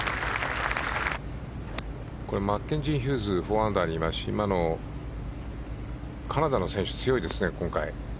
マッケンジー・ヒューズ４アンダーにいますしカナダの選手は強いですね、今回。